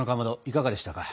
いかがでしたか？